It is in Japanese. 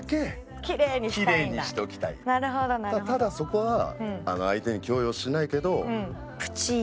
ただそこは相手に強要しないけど。